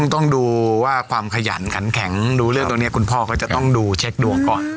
ต้องดูว่าความขยันขันแข็งดูเรื่องตรงนี้คุณพ่อก็จะต้องดูเช็คดวงก่อน